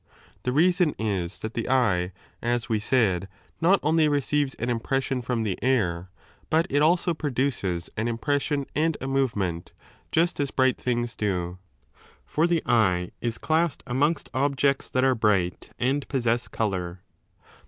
The reason is that the eye, as we 4<^a said, not only receives an impr&.ssion from the air, but it also produces an impression and a movement, just as bright things do. For the eye is classed amongst objects that are bright and possess colour.